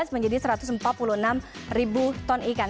menjadi satu ratus empat puluh enam ribu ton ikan